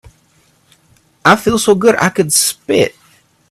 I feel so good I could spit.